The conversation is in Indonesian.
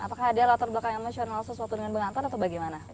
apakah ada latar belakang yang nasional sesuatu dengan bekantan atau bagaimana